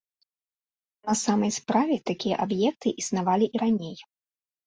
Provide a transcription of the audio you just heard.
На самай справе, такія аб'екты існавалі і раней.